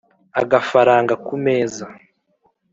-Agafaranga ku meza.